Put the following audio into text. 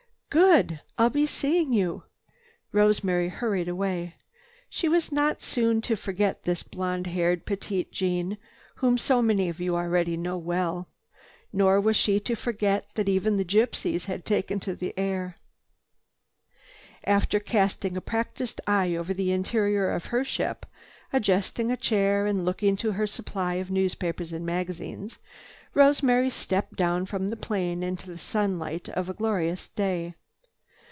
"Good! I'll be seeing you!" Rosemary hurried away. She was not soon to forget this blonde haired Petite Jeanne, whom so many of you already know well. Nor was she to forget that even the gypsies had taken to the air. After casting a practiced eye over the interior of her ship, adjusting a chair and looking to her supply of newspapers and magazines, Rosemary stepped down from the plane into the sunlight of a glorious day.